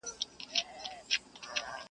یار اوسېږمه په ښار نا پرسان کي,